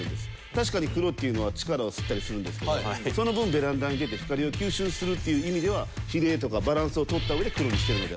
確かに黒っていうのは力を吸ったりするんですけどその分ベランダに出て光を吸収するっていう意味では比例とかバランスを取った上で黒にしてるので。